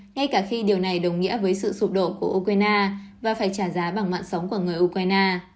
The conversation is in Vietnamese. ngay cả khi điều này đồng nghĩa với sự sụp đổ của ukraine và phải trả giá bằng mạng sống của người ukraine